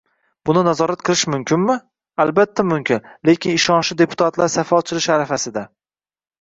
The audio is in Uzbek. Buni nazorat qilish mumkinmi? Albatta mumkin, lekin ishonchli deputatlar safi ochilish arafasida